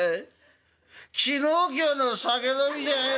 昨日今日の酒飲みじゃないよ！